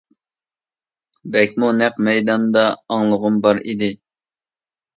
بەكمۇ نەق مەيداندا ئاڭلىغۇم بار ئىدى.